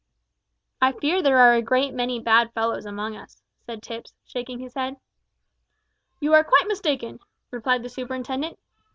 "I fear there are a great many bad fellows amongst us," said Tipps, shaking his head. "You are quite mistaken," replied the superintendent.